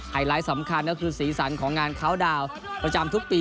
ไลท์สำคัญก็คือสีสันของงานคาวดาวประจำทุกปี